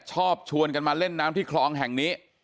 ชอบชวนกันมาเล่นน้ำที่คลองแห่งนี้